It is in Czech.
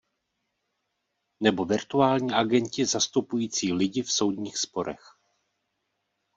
Nebo virtuální agenti zastupující lidi v soudních sporech.